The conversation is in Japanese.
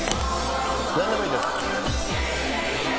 何でもいいです。